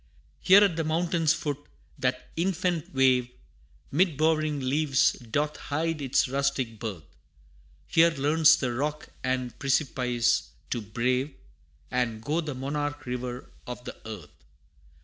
Here at the mountain's foot, that infant wave 'Mid bowering leaves doth hide its rustic birth Here learns the rock and precipice to brave And go the Monarch River of the Earth!